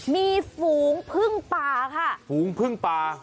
มีฝูงพึ่งป่าค่ะฝูงพึ่งป่า